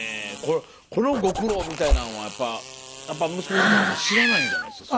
このご苦労みたいなのはやっぱ息子さんとかはあんまり知らないんじゃないんですか